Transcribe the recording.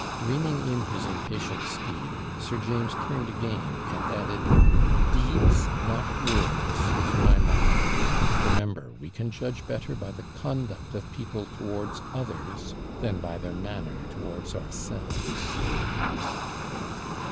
Reining in his impatient steed, Sir James turned again and added, 'DEEDS NOT WORDS, is my motto. Remember, we can judge better by the conduct of people towards others than by their manner towards ourselves.'